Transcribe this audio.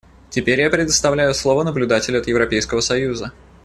Теперь я предоставляю слово наблюдателю от Европейского союза.